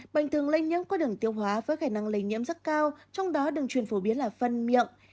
bệnh thường lây nhiễm qua đường tiêu hóa với khả năng lây nhiễm rất cao trong đó đường truyền phổ biến là phân miệng